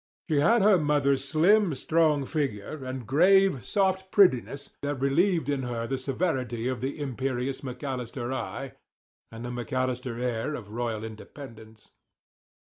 She had her mother's slim, strong figure and grave, soft prettiness that relieved in her the severity of the imperious McAllister eye and the McAllister air of royal independence.